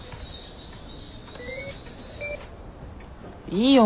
いいよ